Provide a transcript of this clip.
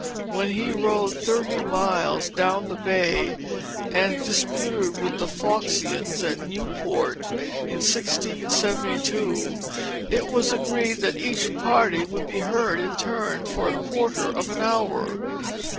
When he rowed thirty miles down the bay, and disputed with the "Foxians" at Newport in 1672, it was agreed that each party should be heard in turn for a quarter of an hour.